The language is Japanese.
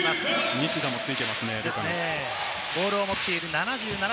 西田もルカについていますね。